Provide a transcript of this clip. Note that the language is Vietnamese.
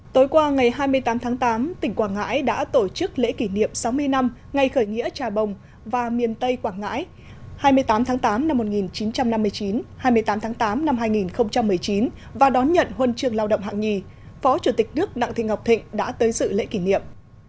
tối qua ngày hai mươi tám tháng tám tỉnh quảng ngãi đã tổ chức lễ kỷ niệm sáu mươi năm ngày khởi nghĩa trà bồng và miền tây quảng ngãi hai mươi tám tháng tám năm một nghìn chín trăm năm mươi chín hai mươi tám tháng tám năm hai nghìn một mươi chín và đón nhận huân trường lao động hạng nhì phó chủ tịch nước đặng thị ngọc thịnh đã tới sự lễ kỷ niệm